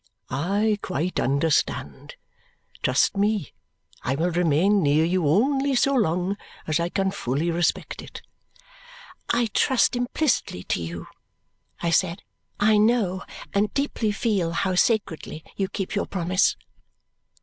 "I quite understand. Trust me, I will remain near you only so long as I can fully respect it." "I trust implicitly to you," I said. "I know and deeply feel how sacredly you keep your promise."